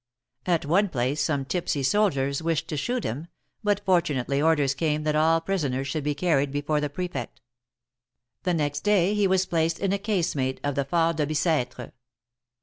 At one place some tipsy soldiers wished to shoot him, but fortunately orders came that all prisoners should be carried before the Prefect. The next day he was placed in a casemate of the Fort de Bic^tre.